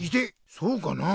そうかなあ。